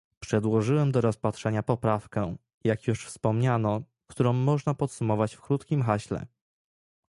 Przedłożyłem do rozpatrzenia poprawkę, jak już wspomniano, którą można podsumować w krótkim haśle